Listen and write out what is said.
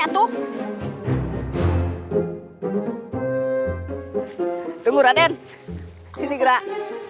tunggu raden sini gerak